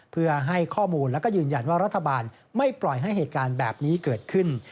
เพื่อให้ข้อมูลแล้วก็ยืนยันว่ารัฐบาลไม่ปล่อยให้เหตุการณ์แบบนี้เกิดขึ้น